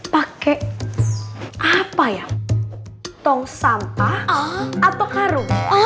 pakai apa ya tong sampah atau karung